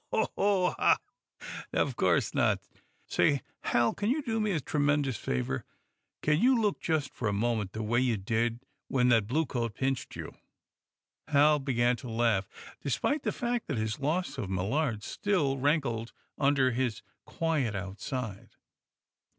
"Ho ho! Haw! Of course, not. Say, Hal, can you do me a tremendous favor? Can you look, just for a moment, the way you did when that blue coat pinched you?" Hal began to laugh, despite the fact that his loss of Millard still rankled under his quiet outside.